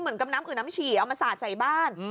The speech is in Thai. เหมือนกับน้ำอื่นน้ำฉี่เอามาสาดใส่บ้าน